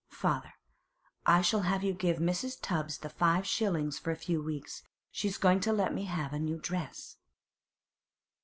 'Father, I shall have to give Mrs. Tubbs the five shillings for a few weeks. She's going to let me have a new dress.